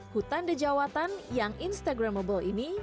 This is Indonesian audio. hutan dejawatan yang instagramable ini